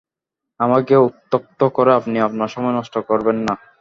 আমাকে উক্তত্য করে আপনি আপনার সময় নষ্ট করবেন না।